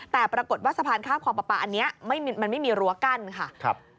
แต่ปรากฏว่าสะพานข้ามคลองประปาอันนี้มันไม่มีรั้วกั้นค่ะ